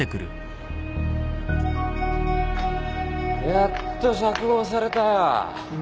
やっと釈放されたよ。